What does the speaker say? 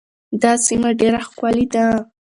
دا سیمه ډېره ښکلې ده.